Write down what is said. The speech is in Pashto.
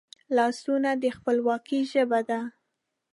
لاسونه د خپلواکي ژبه ده